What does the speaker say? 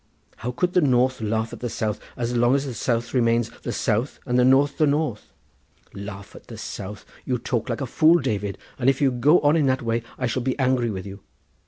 How could the north laugh at the south as long as the south remains the south and the north the north? Laugh at the south! you talk like a fool, David, and if you go on in that way I shall be angry with you.